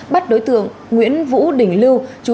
bắt đối tượng nguyễn vũ đỉnh lưu